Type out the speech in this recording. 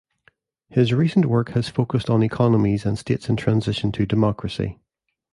His recent work has focused on economies and states in transition to democracy.